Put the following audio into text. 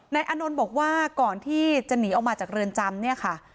อานนท์บอกว่าก่อนที่จะหนีออกมาจากเรือนจำเนี่ยค่ะ